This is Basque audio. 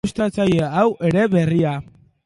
Ilustrazio hau ere berria!